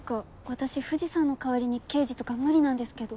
私藤さんの代わりに刑事とか無理なんですけど。